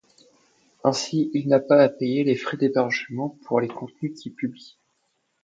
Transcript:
Ainsi, il n'a pas à payer les frais d'hébergement pour le contenu qu'il publie.